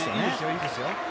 いいですよ。